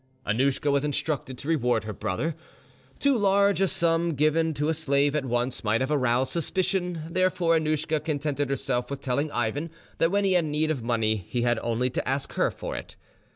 Annouschka was instructed to reward her brother. Too large a sum given to a slave at once might have aroused suspicion, therefore Annouschka contented herself with telling Ivan that when he had need of money he had only to ask her for it.